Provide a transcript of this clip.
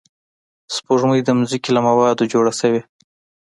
سپوږمۍ د ځمکې له موادو جوړه شوې